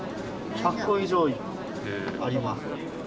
１００個以上あります。